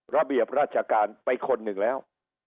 ระเบียบราชการไปคนหนึ่งแล้ว